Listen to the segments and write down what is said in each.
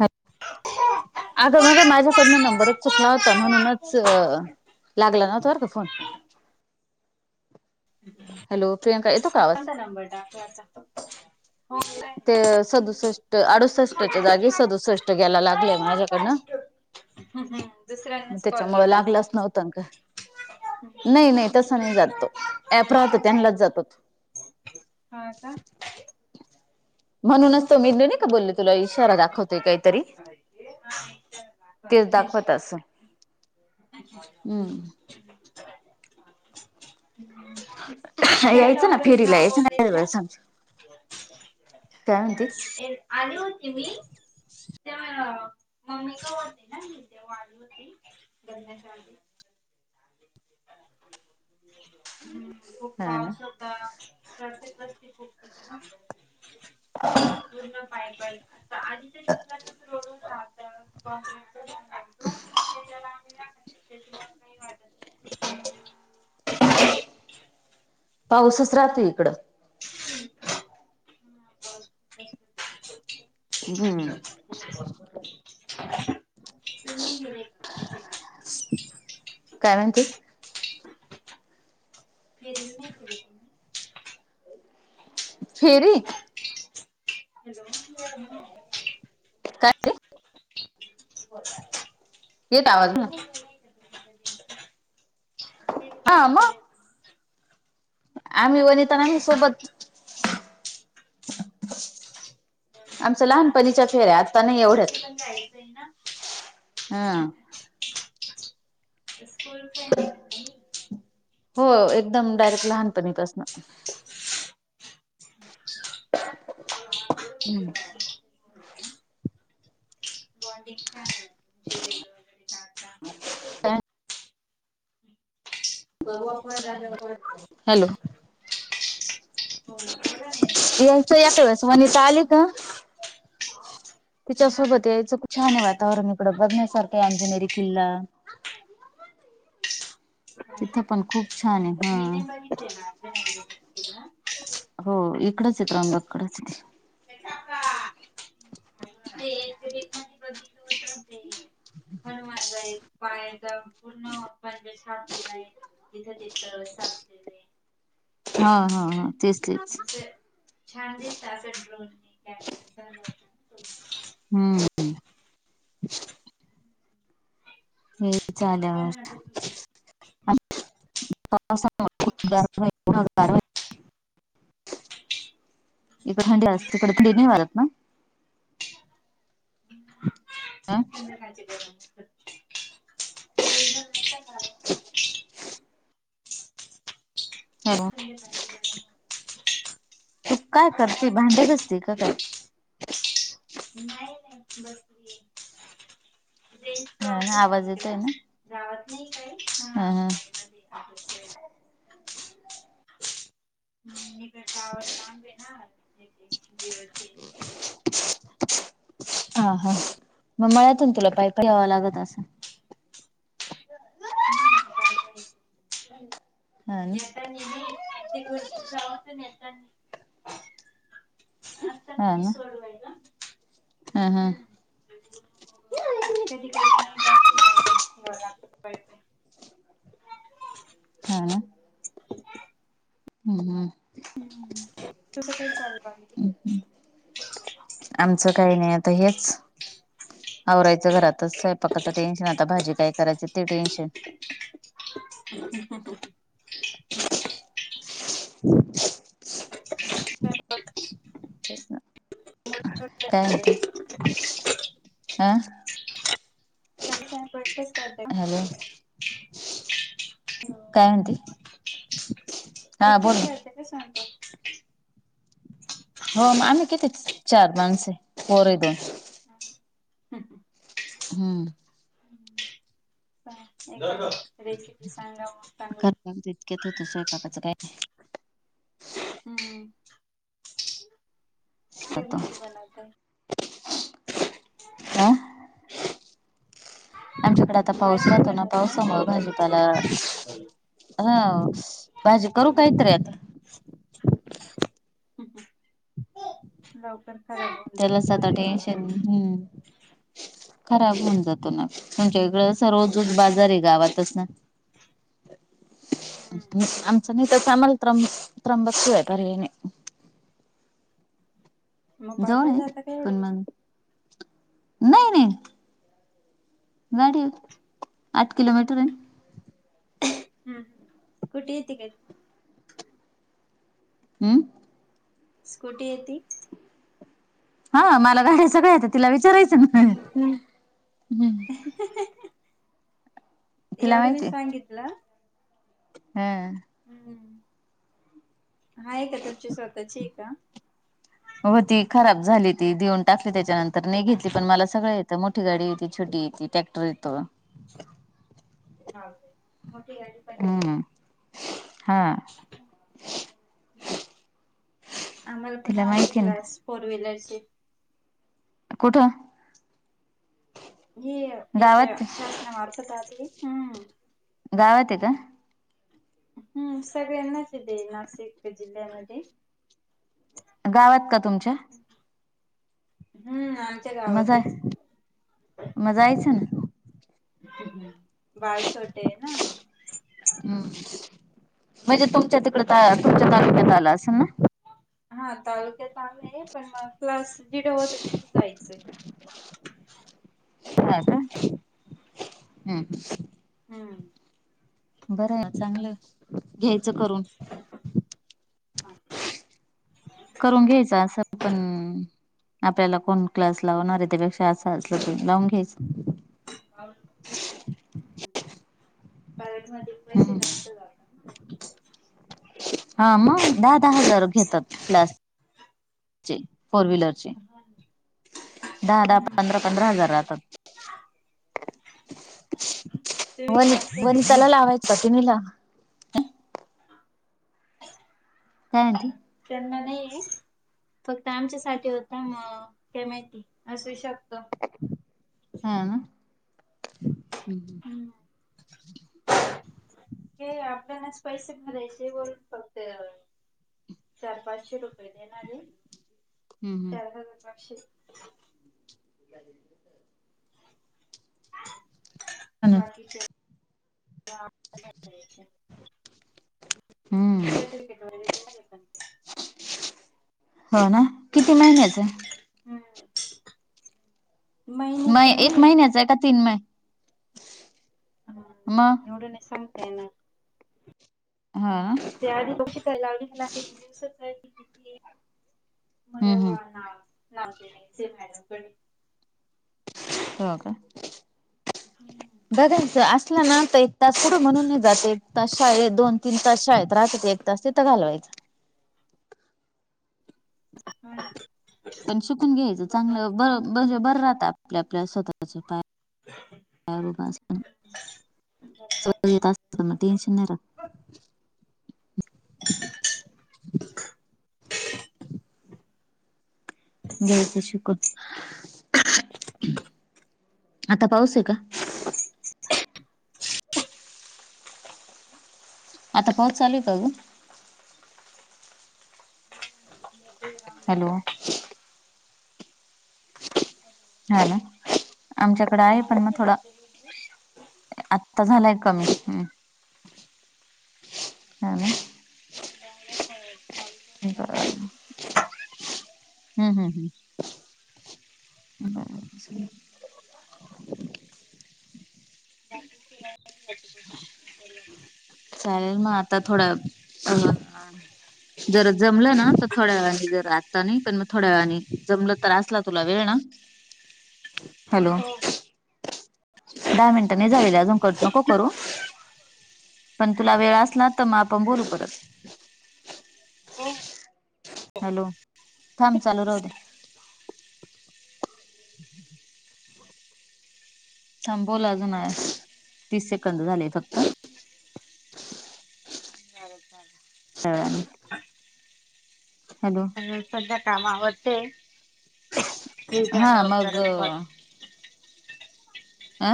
हा चालेल अगं मग माझ्याकडनं नंबरच चुकला या म्हणूनच लागला नव्हता बर का फोन. हॅलो प्रियंका येतो का आवाज कोणता नंबर टाकला होता? ते सदुसष्ट अडुसष्टच्या जागी चालेल सदुसष्ट ग्यायला लागलंय माझ्याकडनं. मग त्याच्यामुळं लागलाच नव्हतं अगं. नाही नाही तसं नाही जात तो. ऍप राहतो त्यांनलाच जातो तो. हा का? म्हणूनच तर मी ते नाही का बोलले तुला इशारा दाखवतोय काहीतरी. तेच दाखवत असलं हम्म. [inaudible] काय यायचं ना डोंगराचं फेरीला नाव यायचं बोलत्यात ना त्या? सांग काय म्हणती? आली होती मी. तेव्हा मम्मीकडं होती ना मी तेव्हा आली होती. लग्नाच्याआधी हम्म खुप हा ना पाऊस होता. प्रत्येक वर्षी खूप येते ना. पूर्ण काय बाई तर आधीच्या चित्रात कसं रडून राहत. [inaudible] [inaudible] पाऊसच राहती हिकडं. नाही. हम्म. काय म्हणती? एरवी नाही फिरत मी. फेरी काय रे हम्म. येत आवाज मग. हा मग. आम्ही वनितानानी सोबत आमच्या लहानपणीच्या फेऱ्या आता नाही एवढ्याच. जायचं आहे ना. हा. ते स्कूल [unintelligible] काय त्यांनी? हो एकदम डायरेक्ट लहानपणीपासनं. अच्छा. होय का? बॉडिंग छान आहे दीदीच वगैरे [unintelligible] काय? हॅलो. यायचं एखाद्या वेळेस. वनिता आली का तिच्यासोबत यायचं खुप छान आहे वातावरण इकडं बघण्यासारखं हाय अंजनेरी किल्ला. होय ना? तिथं पण खूप छान आहे मी नाही हा बघितलेली आहे [unintelligible] हो इकडचं आहे त्रंबककडचं आहे. [unintelligible] ते पण माझय पायाचा म्हणजे सापलेला य तिथं सापले [unintelligible] हा. हा. हा तेच तेच ते छान दिसता अस ड्रोन कॅमेरा हम्म. हे झाल्यावर [unintelligible] इकडे थंडी असते तिकडे थंडी नाही वाजत ना? ह संद काच प [unintelligible] [unintelligible] हॅलो. [unintelligible] तू काय करती भांडी घासते की काय? नाय नाय बसली हा ना आवाज येतोय ना. [unintelligible] ह ह नाही काही अ हम् [unintelligible] [unintelligible] ना [unintelligible] [inaudible] हा हा म ळ्यातनं तुला पाय पाय यावं लागत नाही हम्म बार बार [unintelligible] ह ना जाऊच नेतात [unintelligible] आता हा कुठ ना सोडवाय का हा. हा. कधी कधी नाही लागत का प [unintelligible] हा ना हम् हम् तुझ काही चालू बाकी आमचं काही नाही आता हेच. आवरायचं घरातच स्वयंपाकाचं टेन्शन आता भाजी काय करायच ते टेन्शन. [unintelligible] ह [inaudible] ह [unintelligible] काय हाय ते आ ताई का प्रॅक्टिस करते [unintelligible] हॅलो काय म्हणती एकटीच करते का स्वयंपाक. हो आम्ही किती चार माणसं हाय पोरं हाय दोन. हम् ह हम्म. [unintelligible] करमायच इतक्याच होतं स्वयंपाकाचं काय. हम्म ते काय म्हजी बनवत. आ? आमच्याकडे आता पाऊस राहतो ना पावसामुळ भाजीपाला. हा भाजी करू काही तरी आता. [unintelligible] लवकर खराब होऊन जातो त्यालाच भाजीपाला आता टेन्शन वगैरे. हम्म खराब होऊन जातो ना म्हणजे वेगळं असं. चा रोज बाजार आहे गावातच ना, आम सुनीताचा आमाला त्रंबक शिवाय पर्याय नाही. जवळ आहे, पण मग. नाही नाही गाडी वर आठ किलोमीटर आहे न. हम्म स्कुटी येती काय? हम्म स्कुटी येती हा मला गाड्या सगळ्या यत्या तिला विचारायचं ना. तिला एवढं नाही माहिती आहे. सांगितलं हा. हा हम्म हाय आहे का तुमची स्वतःची हे का? होती खराब झाली ती देऊन टाकली त्याच्यानंतर नाही घेतली पण मला सगळं यत. मोठी गाडी येती छोटी येती टॅक्टर येतो. हा काय मोठी गाडी पण य हम्म हा. आम्हाला पण तिला आलेय माहिती ना क्लास फोर व्हीलरचे. कुठं? हे याच्या गावात शासन मारफत राहते. गावात हे का? हम्म सगळ्यांनाच हे ते नाशिक ते जिल्ह्यामध्ये. गावात का तुमच्या? हम्म आमच्या म जाय गावातच. म जायचं ना बाळ छोटे हेना. हम्म म्हणजे तुमच्या तिकड त, तुमच्या तालुक्यात आला असेल ना? हा तालुक्यात आहे पण मग प्लस जिथं होतं तिथं जायचंय. हा का? हम्म हम्म बर चांगलं आहे घ्यायचं करून. करून घ्यायच असं पण. आपल्याला कोण क्लास लावणार आहे त्यापेक्षा आस असल त लावून घ्यायच. पारट मार्ट. पैसे हम्म जास्त जातात ना. हा मग दहा दहा हजार घेतात क्लास. फोर व्हीलचे दहा दहा पंधरा पंधरा हजार राहतात. [inaudible] वनी वनिताला लावायचा तुम्ही ला. काय म्हणती? त्यांना नाहीये. फक्त आमच्यासाठी होता म ना काय? माहिती असू शकतं. हं. हे आपणच पैसे भरायचे. वरून [unintelligible] बोलून फक्त चार, पाचशे, रुपये देणार हे हम्म चार हजार, पाचशे. ती आली का बघ परत. हम्म. बाकीचे. त्या आत्यांना द्यायचाए. हम्म सर्टिफिकेट वगैरे देणारे पण ते. हा ना किती? महिन्याचं ए. हुम महिन्याचं नाहीये गं. आता तीन महिने. मग एवढं नाय सांगता येणार. हा. त्या आधी [inaudible] किती दिवसाचं आहे किती ते. भजे हम्म बोलणार लाभ गेली तीन महिने [unintelligible] हो काय? हुम. बघायचं असलं ना तर एक तास पुडा बनवून जाते एक तास शाळेत दोन-तीन तास शाळेत राहते. असली तर घालवायचं. हुम. पण शिकून घ्यायचं चांगलं बघ बघ रात आपल्या आपल्या स्वतःच्या पाया पायावर उभा असलेलं स्वतःला येत असताना टेन्शन नाही राहत. [unintelligible] घ्यायचं शिकून आता पाऊस आहे का? आता पाऊस चालूय का? ग. हॅलो. आहे ना आमच्याकडे आहे पण मग थोडा आत्ता झालाय कमी ह हा ना. तिनं चांगलं मळलय काल हे करायले हुम, हुम, हुम. मला उचलेल गप ना. [unintelligible] भाकीत केल्याने [unintelligible] हॅलो चालेल मग आता थोड्या आ जर जमलं ना तर थोड्या वेळाने जर आत्ता नाही पण थोड्या वेळाने पण मग थोड्यावेळाने जमलं तर असला तुला वेळ ना. हॅलो. दहा मिनिटं नाही झालेले अजून कट नको करू. पण तुला वेळ असला तर मग बोलू आपण परत. हॅलो थांब चालू राहू दे. थांब बोलं अजून हाय तीस सेकंद झालेत आता. तेल काढ. सगळं. पण सध्या कामं आवरते, [inaudible] हा मग अ.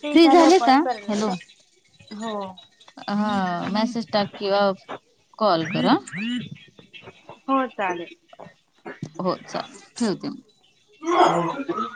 ते फ्री झाल्यावर झाले कॉल का हॅलो करेल हो. हा मेसेज टाईप केला. हो चालेल. हो चाललंय ठेवते मग आऊ ऊ [inaudible]